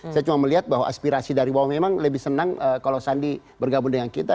saya cuma melihat bahwa aspirasi dari bawah memang lebih senang kalau sandi bergabung dengan kita